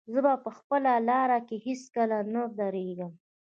زه به په خپله لاره کې هېڅکله نه درېږم.